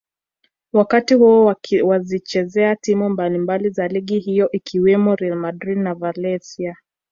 wakati huo akizichezea timu mbalimbali za ligi hiyo ikiwemo Real Madrid na Valencia